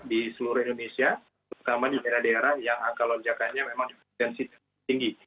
di seluruh indonesia terutama di daerah daerah yang angka lonjakannya memang potensi tinggi